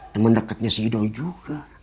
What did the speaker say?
teman deketnya si doi juga